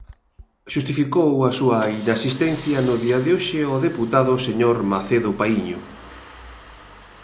Xustificou a súa inasistencia no día de hoxe o deputado señor Macedo Paíño.